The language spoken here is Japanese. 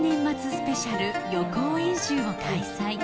スペシャル予行演習を開催